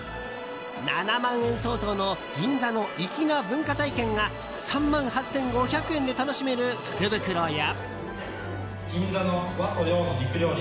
７万円相当の銀座の粋な文化体験が３万８５００円で楽しめる福袋や。